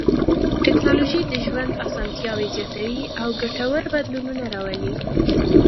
ټکنالوژي د ژوند اسانتیاوې زیاتوي او ګټور بدلونونه راولي.